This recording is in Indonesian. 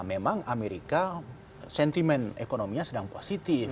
memang amerika sentimen ekonominya sedang positif